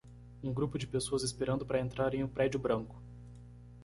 Um grupo de pessoas esperando para entrar em um prédio branco.